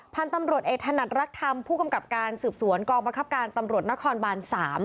พันธุ์ตำรวจเอกถนัดรักธรรมผู้กำกับการสืบสวนกองบังคับการตำรวจนครบาน๓